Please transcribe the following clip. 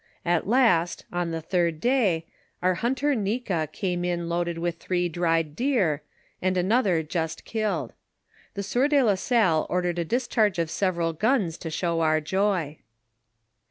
At last, on the third day, our hunter Kika came in loaded with three dried deer, and an other just killed. The sieur de la Salle ordered a discharge of several guns to show our joy.